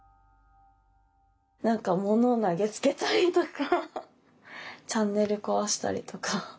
何か物を投げつけたりとかチャンネル壊したりとか。